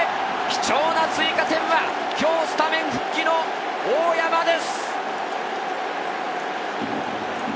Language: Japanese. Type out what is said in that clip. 貴重な追加点は今日、スタメン復帰の大山です！